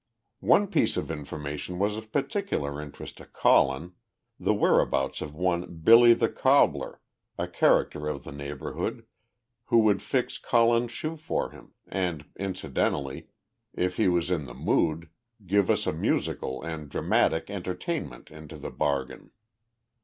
One piece of information was of particular interest to Colin, the whereabouts of one "Billy the Cobbler," a character of the neighbourhood, who would fix Colin's shoe for him, and, incidentally, if he was in the mood, give us a musical and dramatic entertainment into the bargain.